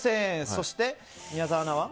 そして宮澤アナは？